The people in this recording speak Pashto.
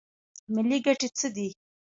ملي ګټې څه دي؟